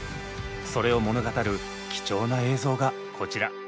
それを物語る貴重な映像がこちら！